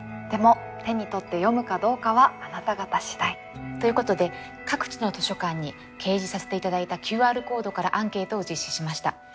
でも手に取って読むかどうかはあなた方次第。ということで各地の図書館に掲示させて頂いたＱＲコードからアンケートを実施しました。